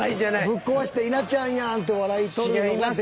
ぶっ壊して稲ちゃんやんって笑い取るのが。